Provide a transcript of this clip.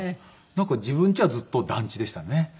なんか自分ちはずっと団地でしたね。